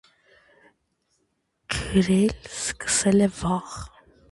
Գրել սկսել է վաղ։